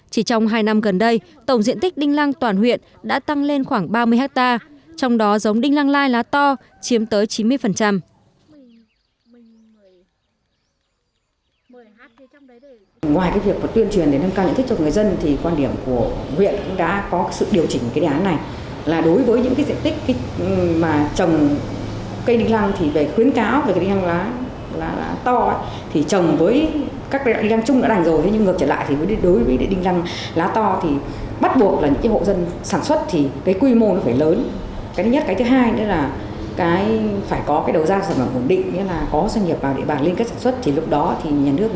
chỉ trong hai năm gần đây tổng diện tích đinh lăng toàn huyện đã tăng lên khoảng ba mươi ha trong đó giống đinh lăng lai lá to chiếm tới chín mươi